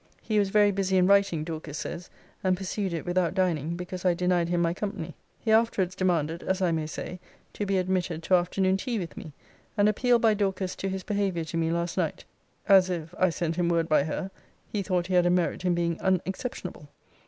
He was very busy in writing, Dorcas says; and pursued it without dining, because I denied him my company. He afterwards demanded, as I may say, to be admitted to afternoon tea with me: and appealed by Dorcas to his behaviour to me last night; as if I sent him word by her, he thought he had a merit in being unexceptionable.